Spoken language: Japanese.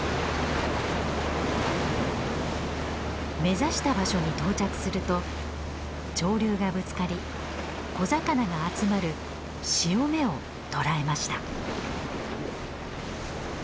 目指した場所に到着すると潮流がぶつかり小魚が集まる潮目を捉えました。